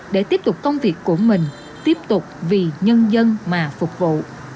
để tiếp tục công việc của mình tiếp tục vì nhân dân mà phục vụ